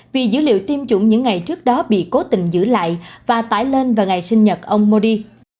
vì dữ liệu tiêm chủng những ngày trước đó bị cố tình giữ lại và tải lên vào ngày sinh nhật ông modi